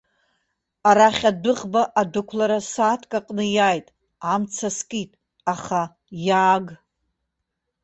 Арахь адәыӷба адәықәлара сааҭк аҟны иааит, амца скит, аха иааг.